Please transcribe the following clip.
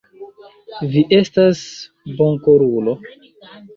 Vi estas bonkorulo.